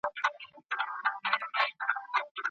هغه په ډېرې مینې خپل زوی په غېږ کې ونیو.